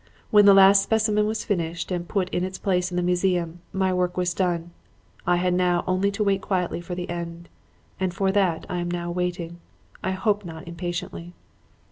When the last specimen was finished and put in its place in the museum, my work was done. I had now only to wait quietly for the end. And for that I am now waiting, I hope not impatiently.